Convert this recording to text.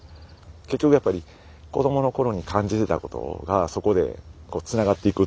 結局やっぱり子どもの頃に感じてたことがそこでつながっていくっていうかね